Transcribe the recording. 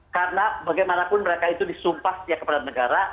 karena bagaimanapun mereka itu disumpah kepada negara